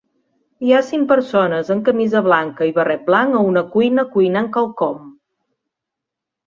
Hi ha cinc persones amb camisa blanca i barret blanc a una cuina cuinant quelcom.